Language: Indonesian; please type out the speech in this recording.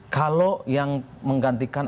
kalau yang menggantikan